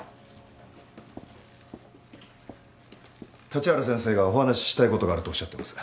立原先生がお話ししたい事があるとおっしゃっています。